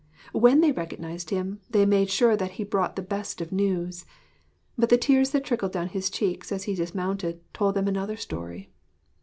When they recognised him, they made sure that he brought the best of news. But the tears that trickled down his cheeks as he dismounted told them another story.